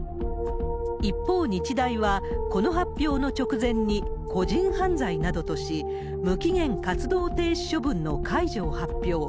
一方、日大はこの発表の直前に、個人犯罪などとし、無期限活動停止処分の解除を発表。